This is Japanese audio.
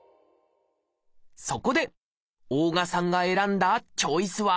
そこで大我さんが選んだチョイスは？